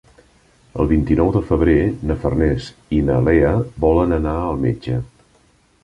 El vint-i-nou de febrer na Farners i na Lea volen anar al metge.